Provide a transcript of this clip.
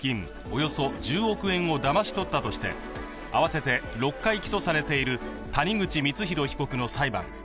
およそ１０億円をだまし取ったとして、合わせて６回起訴されている谷口光弘被告の裁判。